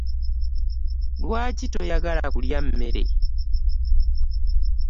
Lwaki toyagala kulya mmere?